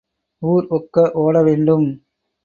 ஊர் ஒக்க ஓட வேண்டும்.